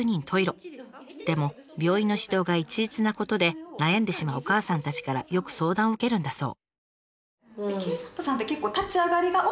でも病院の指導が一律なことで悩んでしまうお母さんたちからよく相談を受けるんだそう。